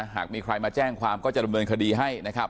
หากมีใครมาแจ้งความก็จะดำเนินคดีให้นะครับ